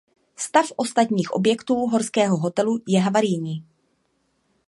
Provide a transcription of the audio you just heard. Stav ostatních objektů horského hotelu je havarijní.